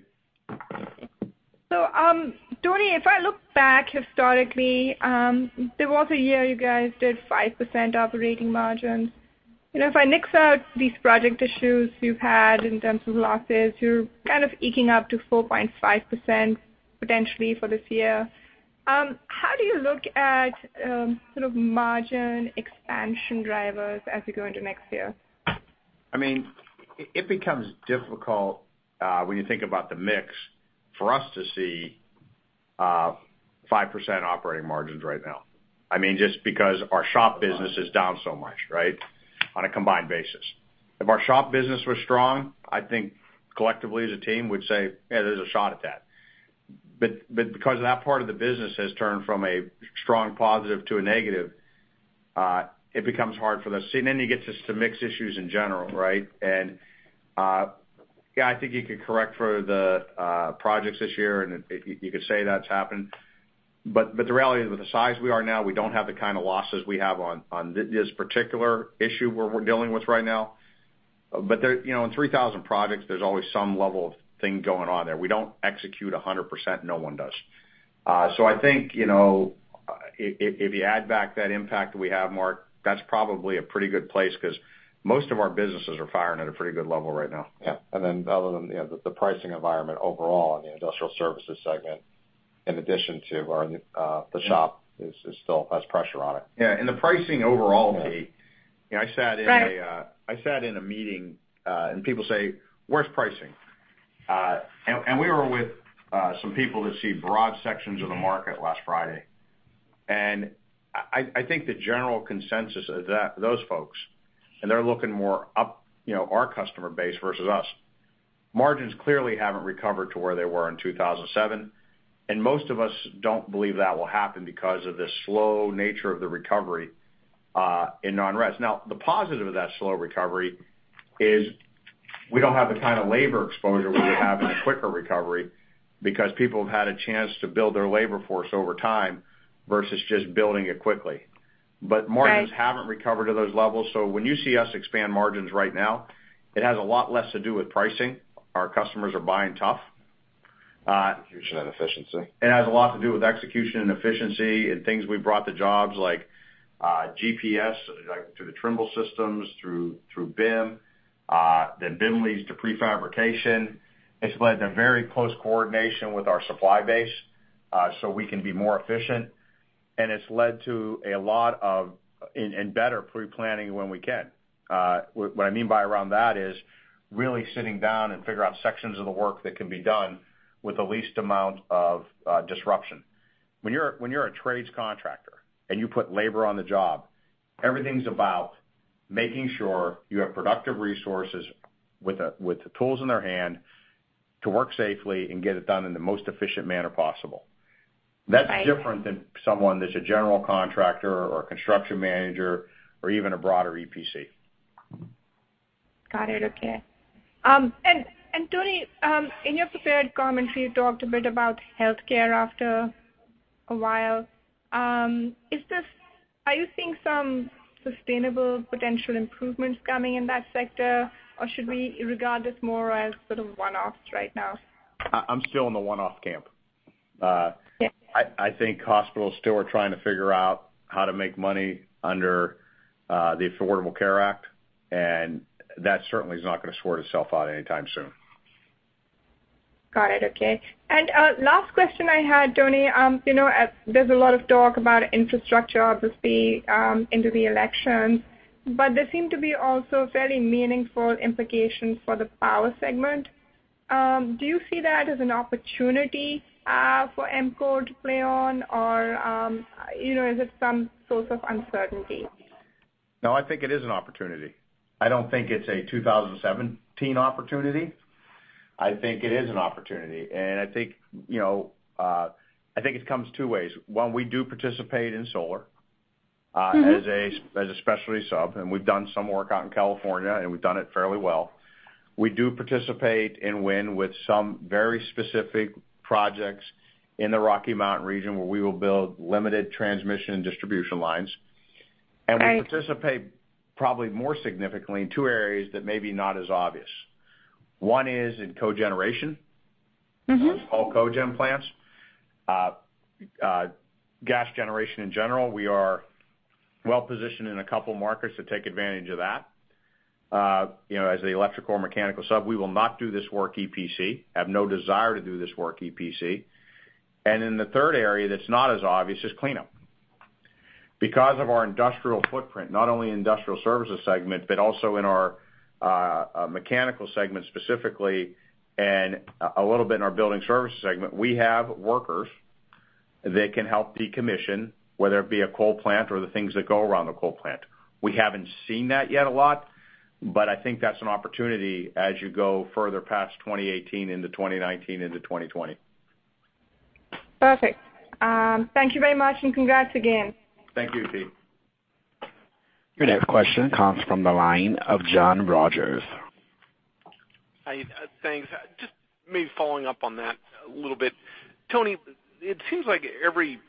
Tony, if I look back historically, there was a year you guys did 5% operating margins. If I mix out these project issues you've had in terms of losses, you're kind of eking up to 4.5% potentially for this year. How do you look at sort of margin expansion drivers as we go into next year? It becomes difficult when you think about the mix for us to see 5% operating margins right now. J ust because our shop business is down so much, right? On a combined basis. If our shop business was strong, I think collectively as a team, we'd say, "Yeah, there's a shot at that." Because that part of the business has turned from a strong positive to a negative, it becomes hard for us. See, it gets us to mix issues in general, right? Yeah, I think you could correct for the projects this year, and you could say that's happened. The reality is, with the size we are now, we don't have the kind of losses we have on this particular issue we're dealing with right now. In 3,000 projects, there's always some level of thing going on there. We don't execute 100%, no one does. I think, if you add back that impact that we have, Mark, that's probably a pretty good place, because most of our businesses are firing at a pretty good level right now. Yeah. Other than the pricing environment overall in the Industrial Services segment, in addition to the shop is still has pressure on it. Yeah. The pricing overall, T, I sat in a meeting, and people say, "Where's pricing?" We were with some people that see broad sections of the market last Friday. I think the general consensus of those folks, and they're looking more up our customer base versus us. Margins clearly haven't recovered to where they were in 2007, and most of us don't believe that will happen because of the slow nature of the recovery in non-res. The positive of that slow recovery is we don't have the kind of labor exposure we would have in a quicker recovery because people have had a chance to build their labor force over time versus just building it quickly. Right. Margins haven't recovered to those levels. When you see us expand margins right now, it has a lot less to do with pricing. Our customers are buying tough. Execution and efficiency. It has a lot to do with execution and efficiency and things we've brought to jobs like GPS, like through the Trimble systems, through BIM. BIM leads to pre-fabrication. It's led to very close coordination with our supply base, so we can be more efficient. It's led to a lot of and better pre-planning when we can. What I mean by around that is really sitting down and figure out sections of the work that can be done with the least amount of disruption. When you're a trades contractor and you put labor on the job, everything's about making sure you have productive resources with the tools in their hand to work safely and get it done in the most efficient manner possible. Right. That's different than someone that's a general contractor or a construction manager or even a broader EPC. Got it, okay. Tony, in your prepared comments, you talked a bit about healthcare after a while. Are you seeing some sustainable potential improvements coming in that sector? Or should we regard this more as sort of one-offs right now? I'm still in the one-off camp. Yeah. I think hospitals still are trying to figure out how to make money under the Affordable Care Act, that certainly is not going to sort itself out anytime soon. Got it, okay. Last question I had, Tony. There's a lot of talk about infrastructure obviously into the election, but there seem to be also fairly meaningful implications for the power segment. Do you see that as an opportunity for EMCOR to play on, or is it some source of uncertainty? No, I think it is an opportunity. I don't think it's a 2017 opportunity. I think it is an opportunity. I think it comes two ways. One, we do participate in solar as a specialty sub, and we've done some work out in California, and we've done it fairly well. We do participate and win with some very specific projects in the Rocky Mountain region, where we will build limited transmission and distribution lines. Right. We participate probably more significantly in two areas that may be not as obvious. One is in cogeneration. Small cogen plants. Gas generation in general, we are well-positioned in a couple markets to take advantage of that. As the electrical or mechanical sub, we will not do this work EPC, have no desire to do this work EPC. The third area that's not as obvious is cleanup. Because of our industrial footprint, not only in industrial services segment, but also in our mechanical segment specifically and a little bit in our building services segment, we have workers that can help decommission, whether it be a coal plant or the things that go around a coal plant. We haven't seen that yet a lot, but I think that's an opportunity as you go further past 2018 into 2019, into 2020. Perfect. Thank you very much, and congrats again. Thank you, T. Your next question comes from the line of John Rogers. Thanks. Just maybe following up on that a little bit. Tony, it seems like every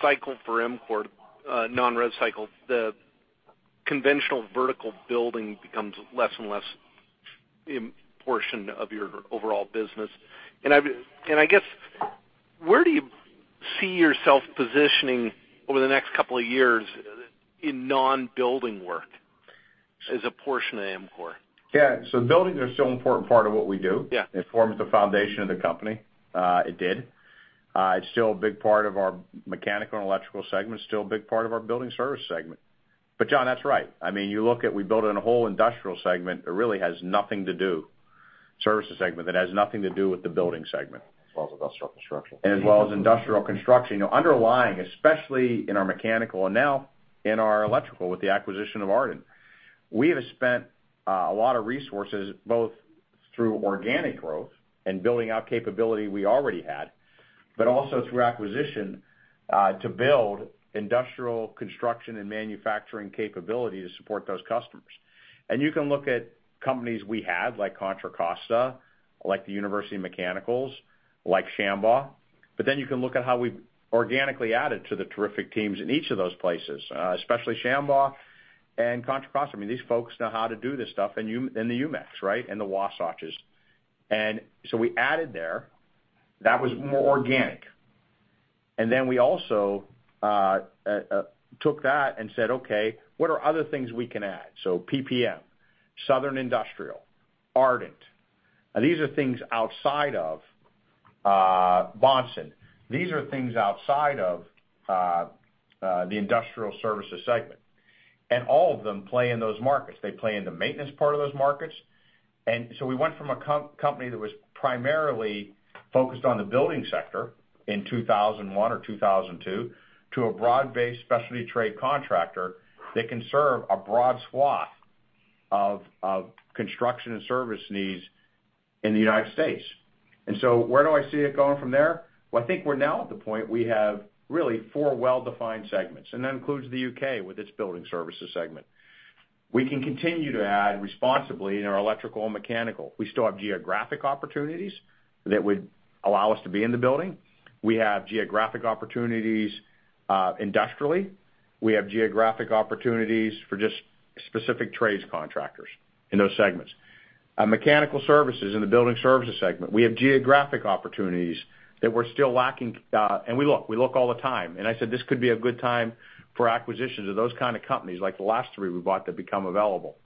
cycle for EMCOR, non-res cycle, the conventional vertical building becomes less and less portion of your overall business. I guess, where do you see yourself positioning over the next couple of years in non-building work as a portion of EMCOR? Yeah. Buildings are still an important part of what we do. Yeah. It forms the foundation of the company. It did. It's still a big part of our mechanical and electrical segment, still a big part of our building service segment. John, that's right. You look at, we built in a whole industrial segment that really has nothing to do, services segment, that has nothing to do with the building segment. As well as industrial construction. As well as industrial construction. Underlying, especially in our mechanical and now in our electrical with the acquisition of Ardent. We have spent a lot of resources both through organic growth and building out capability we already had, but also through acquisition, to build industrial construction and manufacturing capability to support those customers. You can look at companies we have, like Contra Costa, like the University Mechanicals, like Shambaugh. You can look at how we've organically added to the terrific teams in each of those places, especially Shambaugh and Contra Costa. These folks know how to do this stuff, and the UMechs, right? The Wasatches. We added there. That was more organic. We also took that and said, "Okay, what are other things we can add?" PPM, Southern Industrial, Ardent. These are things outside of Bonson. These are things outside of the industrial services segment, and all of them play in those markets. They play in the maintenance part of those markets. We went from a company that was primarily focused on the building sector in 2001 or 2002, to a broad-based specialty trade contractor that can serve a broad swath of construction and service needs in the U.S. Where do I see it going from there? Well, I think we're now at the point we have really 4 well-defined segments, and that includes the U.K. with its building services segment. We can continue to add responsibly in our electrical and mechanical. We still have geographic opportunities that would allow us to be in the building. We have geographic opportunities industrially. We have geographic opportunities for just specific trades contractors in those segments. Mechanical services in the building services segment, we have geographic opportunities that we're still lacking, and we look. We look all the time. I said this could be a good time for acquisitions of those kind of companies, like the last three we bought, that become available.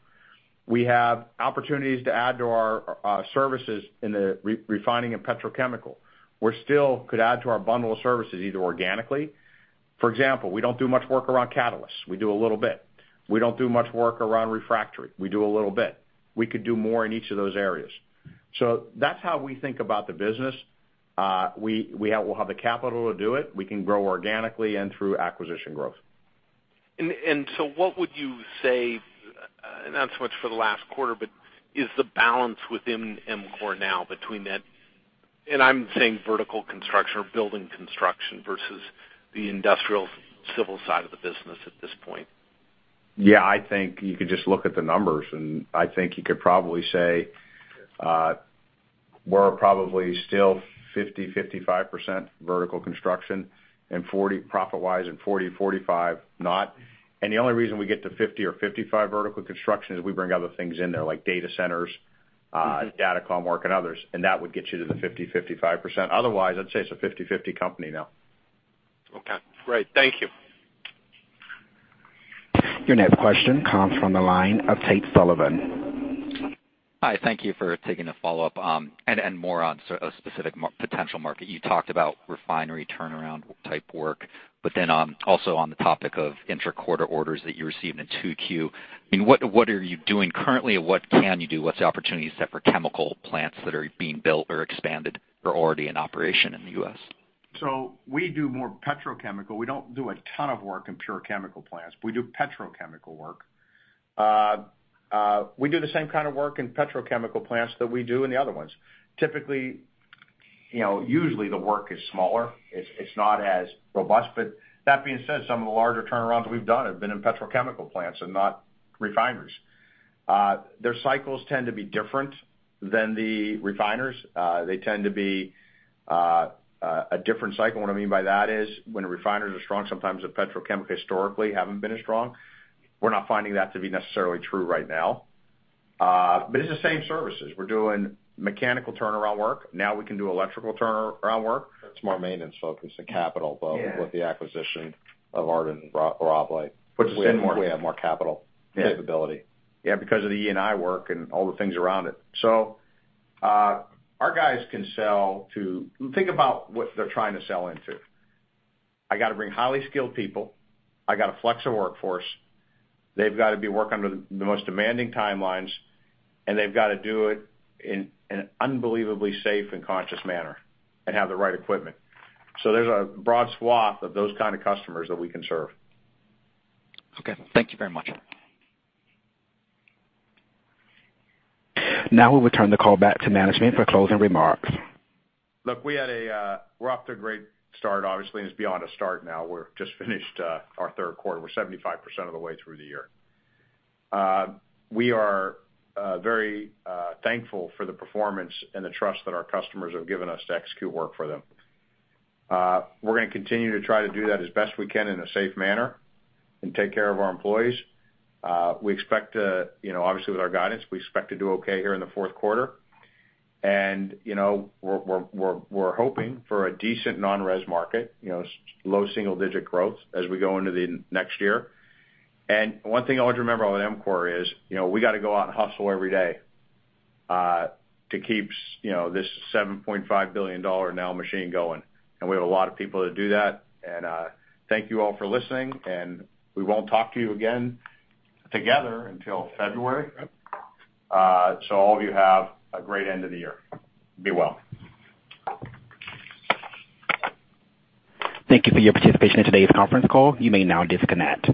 We have opportunities to add to our services in the refining and petrochemical. We still could add to our bundle of services, either organically. For example, we don't do much work around catalysts. We do a little bit. We don't do much work around refractory. We do a little bit. We could do more in each of those areas. That's how we think about the business. We'll have the capital to do it. We can grow organically and through acquisition growth. What would you say, not so much for the last quarter, but is the balance within EMCOR now between that, and I'm saying vertical construction or building construction versus the industrial civil side of the business at this point? Yeah, I think you could just look at the numbers, and I think you could probably say we're probably still 50%-55% vertical construction, profit-wise, and 40%-45% not. The only reason we get to 50% or 55% vertical construction is we bring other things in there, like data centers, Datacom work and others, and that would get you to the 50%-55%. Otherwise, I'd say it's a 50/50 company now. Okay, great. Thank you. Your next question comes from the line of Tate Sullivan. Hi, thank you for taking the follow-up. More on a specific potential market. You talked about refinery turnaround type work, also on the topic of inter-quarter orders that you received in 2Q, what are you doing currently and what can you do? What's the opportunities set for chemical plants that are being built or expanded or already in operation in the U.S.? We do more petrochemical. We don't do a ton of work in pure chemical plants. We do petrochemical work. We do the same kind of work in petrochemical plants that we do in the other ones. Typically, usually the work is smaller. It's not as robust. That being said, some of the larger turnarounds we've done have been in petrochemical plants and not refiners. Their cycles tend to be different than the refiners. They tend to be a different cycle. What I mean by that is, when refiners are strong, sometimes the petrochemical historically haven't been as strong. We're not finding that to be necessarily true right now. It's the same services. We're doing mechanical turnaround work. Now we can do electrical turnaround work. It's more maintenance focused and capital, both with the acquisition of Ardent and Rabalais. Puts us in more- We have more capital capability. Yeah, because of the E&I work and all the things around it. Think about what they're trying to sell into. I got to bring highly skilled people. I got to flex a workforce. They've got to be working under the most demanding timelines, and they've got to do it in an unbelievably safe and conscious manner and have the right equipment. There's a broad swath of those kind of customers that we can serve. Okay. Thank you very much. Now we will turn the call back to management for closing remarks. Look, we're off to a great start, obviously, and it's beyond a start now. We're just finished our third quarter. We're 75% of the way through the year. We are very thankful for the performance and the trust that our customers have given us to execute work for them. We're going to continue to try to do that as best we can in a safe manner and take care of our employees. Obviously, with our guidance, we expect to do okay here in the fourth quarter. We're hoping for a decent non-res market, low single digit growth as we go into the next year. One thing I want you to remember about EMCOR is, we got to go out and hustle every day to keep this $7.5 billion now machine going. We have a lot of people that do that, and thank you all for listening, and we won't talk to you again together until February. Yep. All of you have a great end of the year. Be well. Thank you for your participation in today's conference call. You may now disconnect.